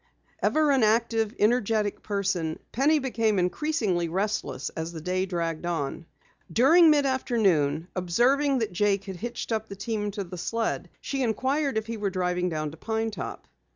Ever an active, energetic person, Penny became increasingly restless as the day dragged on. During mid afternoon, observing that Jake had hitched up the team to the sled, she inquired if he were driving down to Pine Top.